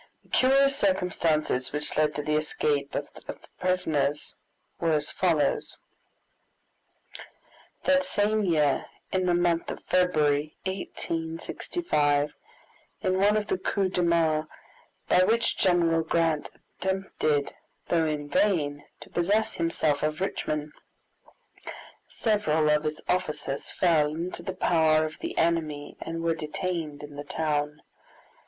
The curious circumstances which led to the escape of the prisoners were as follows: That same year, in the month of February, 1865, in one of the coups de main by which General Grant attempted, though in vain, to possess himself of Richmond, several of his officers fell into the power of the enemy and were detained in the town.